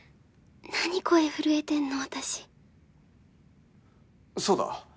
何声震えてんの私そうだ